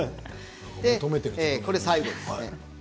これが最後です。